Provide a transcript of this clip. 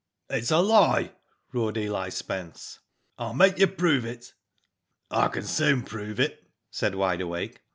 "It's a lie," roared Eli Spence. "I'll make you prove it." " I can soon prove it," said Wide Awake.